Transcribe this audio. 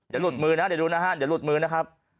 อย่าหลุดมือนะเดี๋ยวดูนะฮะอย่าหลุดมือนะครับ